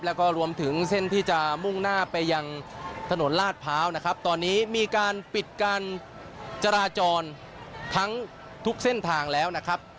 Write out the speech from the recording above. แล้วก็รวมถึงเส้นที่จะมุ่งหน้าไปยังถนนลาดพร้าวนะครับตอนนี้มีการปิดการจราจรทั้งทุกเส้นทางแล้วนะครับ